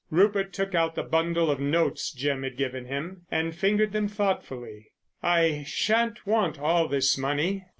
Rupert took out the bundle of notes Jim had given him and fingered them thoughtfully. "I shan't want all this money.